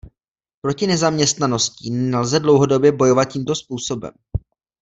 Proti nezaměstnaností nelze dlouhodobě bojovat tímto způsobem.